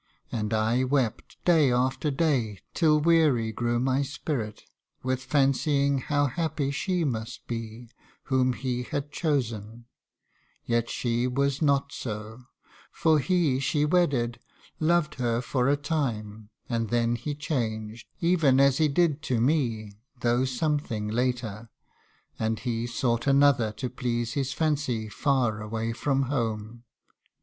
And I wept, Day after day, till weary grew my spirit, With fancying how happy she must be Whom he had chosen yet she was not so ; For he she wedded, loved her for a time, And then he changed, even as he did to me, Though something later ; and he sought another To please his fancy, far away from home.